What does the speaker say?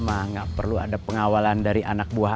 nggak perlu ada pengawalan dari anak buah